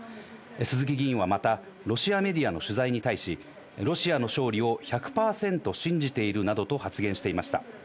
鈴木議員はまたロシアメディアの取材に対し、ロシアの勝利を１００％信じているなどと発言していました。